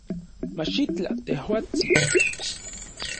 Machitlaj, tejuatsin